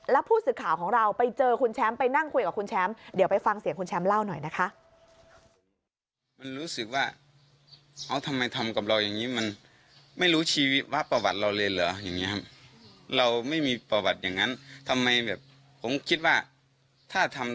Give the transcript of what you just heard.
และผู้สื่อข่าวของเราไปเจอคุณแชมป์ไปนั่งคุยกับคุณแชมป์